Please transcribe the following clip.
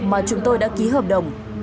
mà chúng tôi đã ký hợp đồng